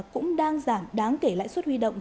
cũng đang giảm đáng kể lãi suất huy động